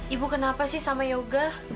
ibu kenapa sih sama yoga